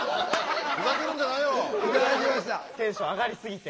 テンション上がりすぎて。